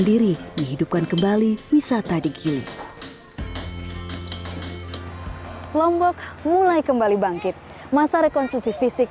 diri dihidupkan kembali wisata digini lombok mulai kembali bangkit masa rekonstruksi fisik